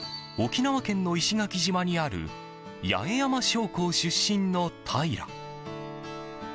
沖縄県の石垣島にある八重山商工出身の平良。